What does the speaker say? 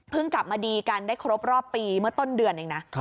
กลับมาดีกันได้ครบรอบปีเมื่อต้นเดือนเองนะ